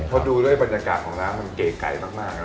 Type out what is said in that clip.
เพราะดูด้วยบรรยากาศของร้านมันเก๋มาก